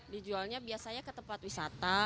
dijualnya biasanya ke tempat wisata